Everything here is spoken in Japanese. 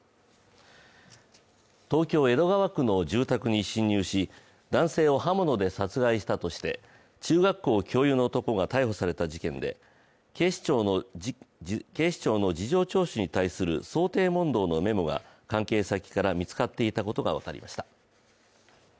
東京・江戸川区の住宅に侵入し、男性を刃物で殺害したとして、中学校教諭の男が逮捕された事件で警視庁の事情聴取に対する想定問答のメモが関係先から見つかっていたことが分かりました。